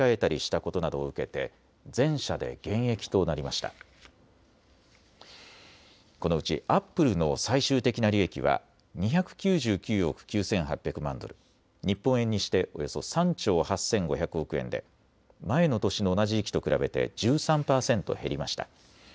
このうちアップルの最終的な利益は２９９億９８００万ドル、日本円にしておよそ３兆８５００億円で前の年の同じ時期と比べて１３％減りました。